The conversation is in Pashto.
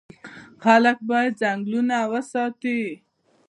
خلک باید ځنګلونه وساتي.